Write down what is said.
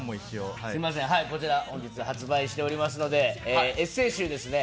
こちら本日発売しておりますので、エッセイ集ですね。